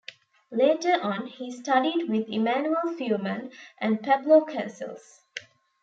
Later on he studied with Emanuel Feuermann and Pablo Casals.